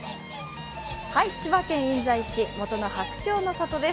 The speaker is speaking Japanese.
千葉県印西市、白鳥の郷です